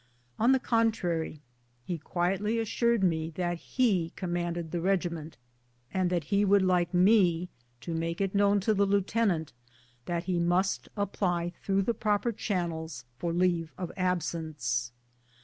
On the contrary, he 142 BOOTS AND SADDLES. quietly assured me that he commanded the regiment, and tliat he would like me to make it known to the lieutenant that he must apply through the proper chan nels for leave of absence.